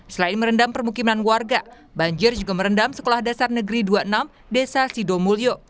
selain merendam permukiman warga banjir juga merendam sekolah dasar negeri dua puluh enam desa sidomulyo